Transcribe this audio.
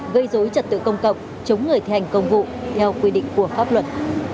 gây dối trật tự công cộng chống người thi hành công vụ theo quy định của pháp luật